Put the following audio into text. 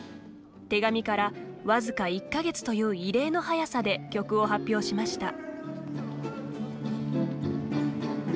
手紙から僅か１か月という異例の早さで曲を発表しました。